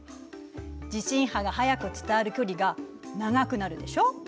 地震波が速く伝わる距離が長くなるでしょ？